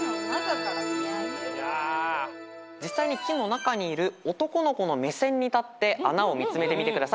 実際に木の中にいる男の子の目線に立って穴を見つめてみてください。